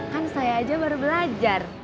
kan saya aja baru belajar